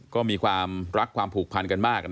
ก็มีความรักความผูกพันกันมาก